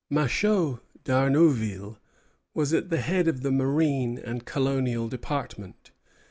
Machault d'Arnouville was at the head of the Marine and Colonial Department.